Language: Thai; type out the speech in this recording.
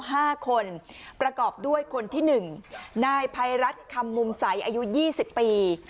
ห้าคนประกอบด้วยคนที่หนึ่งนายภัยรัฐคำมุมใสอายุยี่สิบปี